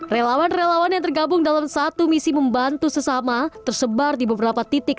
relawan relawan yang tergabung dalam satu misi membantu sesama tersebar di beberapa titik